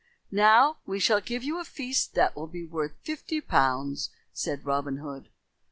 "Now we shall give you a feast that will be worth fifty pounds," said Robin Hood.